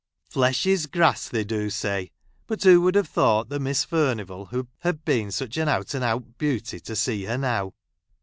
" Flesh is grass, they do say ; but who would have thought that Miss Fur nivall had been such an out and out beauty, to see her now